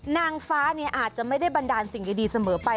นางฟ้าอาจจะไม่ได้บันดาลสิ่งดีเสมอไป